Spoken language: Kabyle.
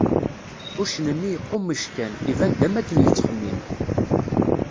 Uccen-nni yeqqummec kan, iban-d am akken yettxemmim.